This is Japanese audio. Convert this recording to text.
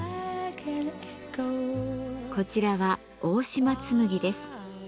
こちらは大島つむぎです。